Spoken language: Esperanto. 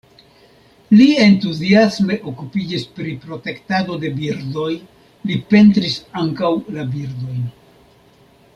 Li entuziasme okupiĝis pri protektado de birdoj, li pentris ankaŭ la birdojn.